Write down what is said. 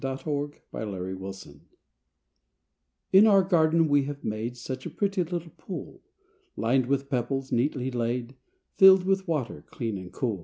THE BIRDS' BATH In our garden we have made Such a pretty little pool, Lined with pebbles neatly laid, Filled with water clean and cool.